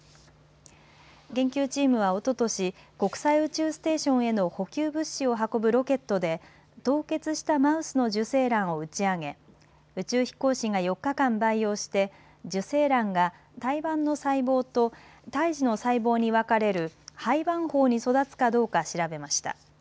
研究チームはおととし国際宇宙ステーションへの補給物資を運ぶロケットで凍結したマウスの受精卵を打ち上げ、宇宙飛行士が４日間培養して受精卵が胎盤の細胞と胎児の細胞に分かれる胚盤胞に育つかどうか調べました。